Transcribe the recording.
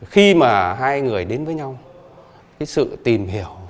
khi mà hai người đến với nhau cái sự tìm hiểu